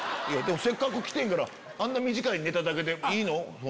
せっかく来てんねからあんな短いネタだけでいいの？